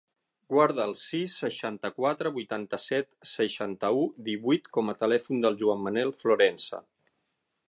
Guarda el sis, seixanta-quatre, vuitanta-set, seixanta-u, divuit com a telèfon del Juan manuel Florensa.